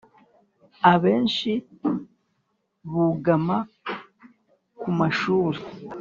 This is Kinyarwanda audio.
Abenshi bugama ku mashuri